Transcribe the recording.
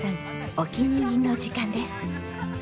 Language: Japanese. お気に入りの時間です。